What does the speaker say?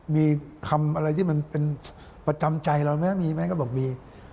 มีคำอะไรที่มันเป็นประจำใจเราไหมมีไหมก็บอกมี